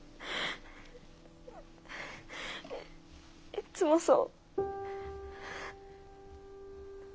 いっつもそう。